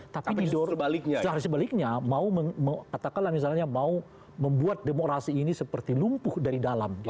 tapi secara sebaliknya mau katakanlah misalnya mau membuat demokrasi ini seperti lumpuh dari dalam